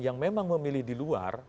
yang memang memilih di luar